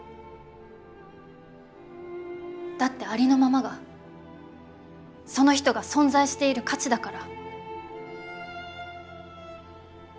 だってありのままがその人が存在している価値だから。